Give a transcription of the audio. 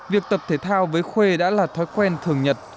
việc tập thể thao với khuê đã là thói quen thường nhật